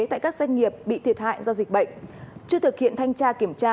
tại các doanh nghiệp bị thiệt hại do dịch bệnh chưa thực hiện thanh tra kiểm tra